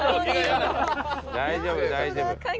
大丈夫大丈夫。